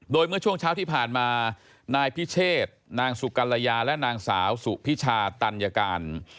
โดยเมื่อช่วงเช้าที่ผ่านมานายพิเชษนางสุกัลยาและนางสาวสุพิชาตัญการ